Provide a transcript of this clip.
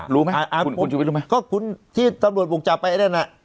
รู้ไหมอ่าคุณคุณคุณไปรู้ไหมก็คุณที่สำหรับบุกจับไปไอ้นั่นอ่ะ